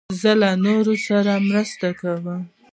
زه له نورو سره مرسته کوم.